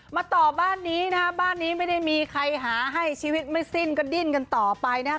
มาต่อบ้านนี้นะฮะบ้านนี้ไม่ได้มีใครหาให้ชีวิตไม่สิ้นก็ดิ้นกันต่อไปนะครับ